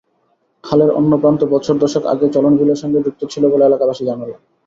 খালের অন্য প্রান্ত বছর দশেক আগেও চলনবিলের সঙ্গে যুক্ত ছিল বলে এলাকাবাসী জানালেন।